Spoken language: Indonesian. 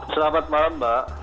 selamat malam mbak